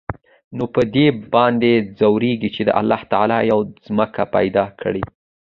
نو په دې باندې ځوريږي چې د الله تعال يوه ځمکه پېدا کړى.